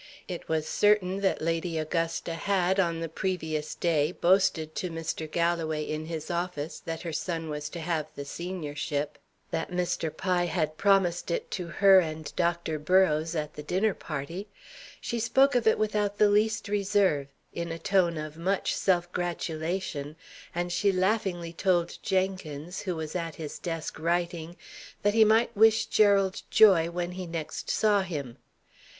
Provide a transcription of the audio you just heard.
It was certain that Lady Augusta had, on the previous day, boasted to Mr. Galloway, in his office, that her son was to have the seniorship; that Mr. Pye had promised it to her and Dr. Burrows, at the dinner party. She spoke of it without the least reserve, in a tone of much self gratulation, and she laughingly told Jenkins, who was at his desk writing, that he might wish Gerald joy when he next saw him.